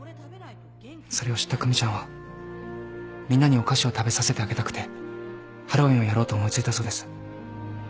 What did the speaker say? それを知った久美ちゃんはみんなにお菓子を食べさせてあげたくてハロウィーンをやろうと思い付いたそうです。